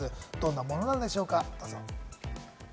どんなものなのでしょうか、どうぞ！